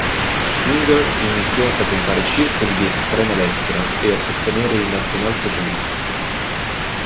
Scheringer iniziò a frequentare circoli di estrema destra e a sostenere i nazionalsocialisti.